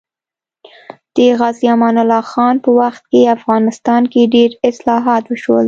د غازي امان الله خان په وخت کې افغانستان کې ډېر اصلاحات وشول